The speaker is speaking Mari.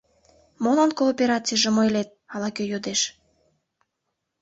— Молан кооперацийжым ойлет? — ала-кӧ йодеш.